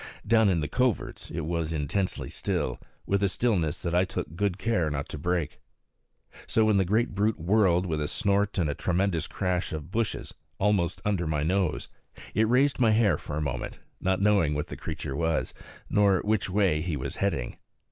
Down in the coverts it was always intensely still, with a stillness that I took good care not to break. So when the great brute whirled with a snort and a tremendous crash of bushes, almost under my nose, it raised my hair for a moment, not knowing what the creature was, nor which way he was heading.